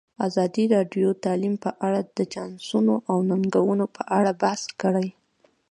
ازادي راډیو د تعلیم په اړه د چانسونو او ننګونو په اړه بحث کړی.